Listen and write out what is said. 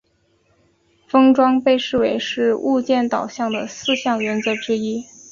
封装被视为是物件导向的四项原则之一。